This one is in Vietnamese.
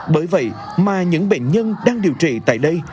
bởi vậy mà những bệnh nhân đang điều trị tại đây